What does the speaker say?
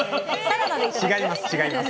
違います